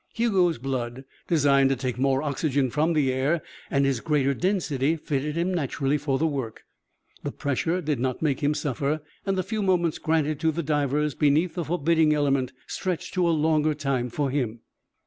Hugo's blood, designed to take more oxygen from the air, and his greater density fitted him naturally for the work. The pressure did not make him suffer and the few moments granted to the divers beneath the forbidding element stretched to a longer time for him.